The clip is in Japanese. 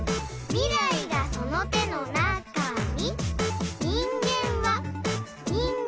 「未来がその手の中に」